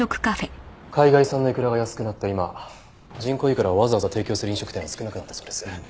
海外産のいくらが安くなった今人工いくらをわざわざ提供する飲食店は少なくなったそうです。